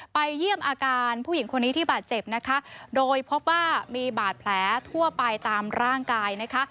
เยี่ยมอาการผู้หญิงคนนี้ที่บาดเจ็บนะคะโดยพบว่ามีบาดแผลทั่วไปตามร่างกายนะคะ